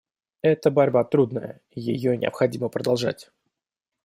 Эта борьба трудная, и ее необходимо продолжать.